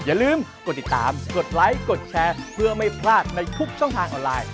อย่าลืมกดติดตามกดไลค์กดแชร์เพื่อไม่พลาดในทุกช่องทางออนไลน์